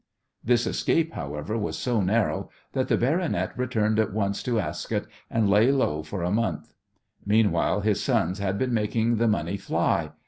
This escape, however, was so narrow that the "baronet" returned at once to Ascot, and lay low for a month. Meanwhile, his sons had been making the money fly.